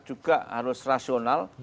juga harus rasional